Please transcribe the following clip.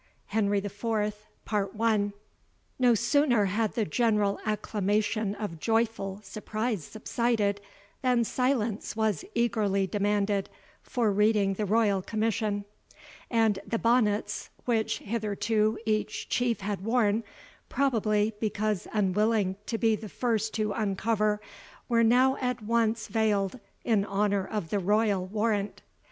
HENRY IV Part I. No sooner had the general acclamation of joyful surprise subsided, than silence was eagerly demanded for reading the royal commission; and the bonnets, which hitherto each Chief had worn, probably because unwilling to be the first to uncover, were now at once vailed in honour of the royal warrant.